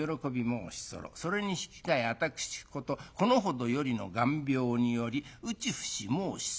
それに引き替え私ことこのほどよりの眼病により打ち伏し申し候』。